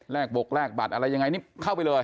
บกแลกบัตรอะไรยังไงนี่เข้าไปเลย